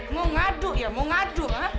mau ngadu ya mau ngadu